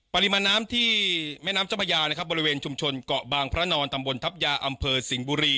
ปริมาณน้ำที่แม่น้ำเจ้าพระยานะครับบริเวณชุมชนเกาะบางพระนอนตำบลทัพยาอำเภอสิงห์บุรี